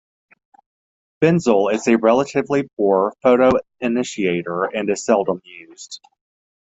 Benzil is a relatively poor photoinitiator, and is seldom used.